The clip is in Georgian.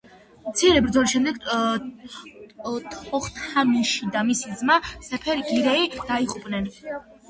მცირე ბრძოლის შემდეგ თოხთამიში და მისი ძმა, სეფერ გირეი, დაიღუპნენ.